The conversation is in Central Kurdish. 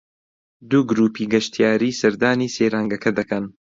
دوو گرووپی گەشتیاری سەردانی سەیرانگەکە دەکەن